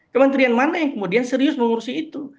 kementerian mana yang kemudian serius mengurusi itu